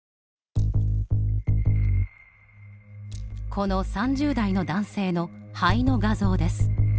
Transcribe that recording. この３０代の男性の肺の画像です。